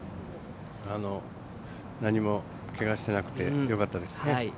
何もけがしてなくてよかったですね。